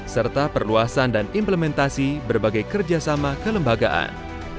serta perluasan dan implementasi berbagai kerjasama kelembagaan